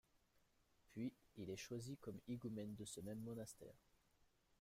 Puis il est choisi comme higoumène de ce même monastère.